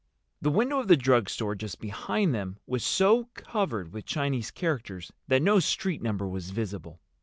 The window of the drugstore just behind them was so covered with Chinese characters that no street number was visible.